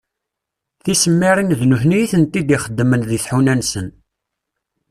Tisemmirin d nutni i tent-id-ixeddmen deg tḥuna-nsen.